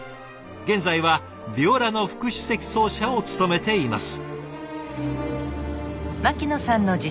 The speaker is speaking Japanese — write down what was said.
現在はヴィオラの副首席奏者を務めています。